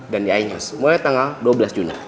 dan di inews mulai tanggal dua belas juni